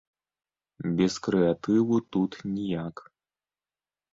Без крэатыву тут ніяк.